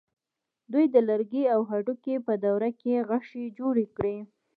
دوی د لرګي او هډوکي په دوره کې غشی جوړ کړ.